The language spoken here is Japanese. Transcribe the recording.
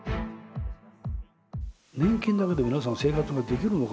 年金だけで皆さん生活ができるのか。